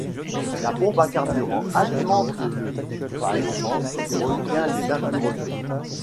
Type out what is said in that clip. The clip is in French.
La pompe à carburant alimente le filtre à essence qui retient les impuretés.